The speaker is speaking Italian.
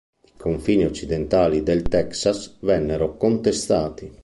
I confini occidentali del Texas vennero contestati.